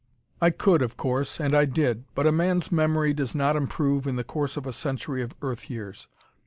I could, of course. And I did. But a man's memory does not improve in the course of a century of Earth years.